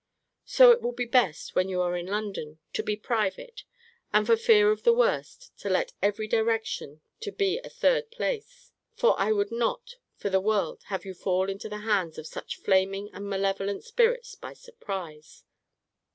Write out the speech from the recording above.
So it will be best, when you are in London, to be private, and, for fear of the worst, to let every direction to be a third place; for I would not, for the world, have you fall into the hands of such flaming and malevolent spirits by surprize.